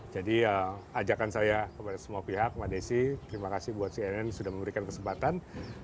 jadi ajakan saya kepada semua pihak mbak desi terima kasih buat cnn sudah memberikan kesempatan